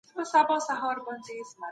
لاسونه بايد تر ډوډۍ مخکې ووينځو.